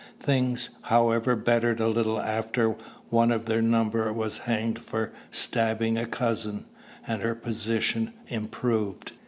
Things, however, bettered a little after one of their number was hanged for stabbing a cousin, and her position improved.